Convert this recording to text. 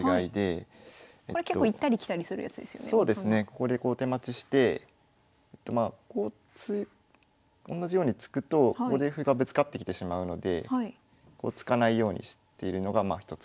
ここでこう手待ちしてまあこうおんなじように突くとここで歩がぶつかってきてしまうのでこう突かないようにしてるのがひとつ工夫ですね。